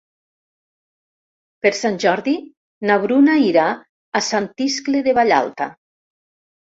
Per Sant Jordi na Bruna irà a Sant Iscle de Vallalta.